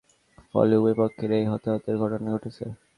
ফলে উভয় পক্ষের এই হতাহতের ঘটনা ঘটেছে।